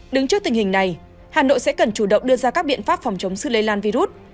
đứng trước tình hình này hà nội sẽ cần chủ động đưa ra các biện pháp phòng chống sự lây lan virus